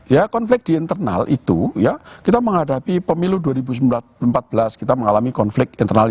ya konflik di internal itu ya kita menghadapi pemilu dua ribu empat belas kita mengalami konflik internal